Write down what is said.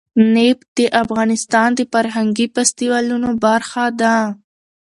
نفت د افغانستان د فرهنګي فستیوالونو برخه ده.